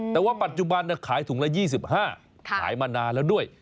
แต่ว่าปัจจุบันขายถุงละ๒๕ขายมานานแล้วด้วย